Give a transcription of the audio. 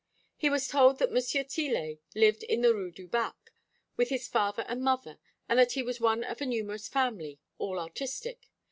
He was told that M. Tillet lived in the Rue du Bac, with his father and mother, and that he was one of a numerous family, all artistic.